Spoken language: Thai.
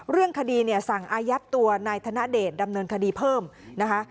เรื่องคดีเนี่ยสั่งอายัดตัวนายธนเดชดำเนินคดีเพิ่มนะคะ